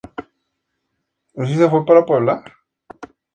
Se prestó especial atención a la viabilidad económica del proyecto.